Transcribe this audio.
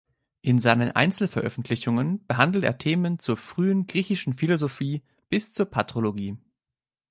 In seinen Einzelveröffentlichungen behandelt er Themen zur frühen griechischen Philosophie bis zur Patrologie.